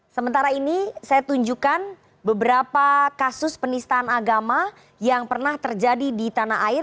sementara ini saya tunjukkan beberapa kasus penistaan agama yang pernah terjadi di tanah air